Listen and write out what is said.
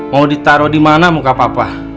mau ditaro dimana muka papa